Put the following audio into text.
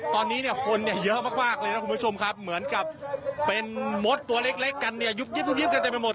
ตอนนี้เนี่ยคนเนี่ยเยอะมากเลยนะคุณผู้ชมครับเหมือนกับเป็นมดตัวเล็กกันเนี่ยยุบยิบกันเต็มไปหมด